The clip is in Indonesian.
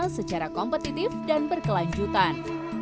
secara kompetitif dan berkelanjutan